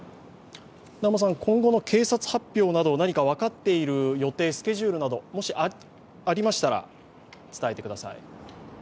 今後の警察発表など何か分かっている予定スケジュールなど、もしありましたら伝えてください。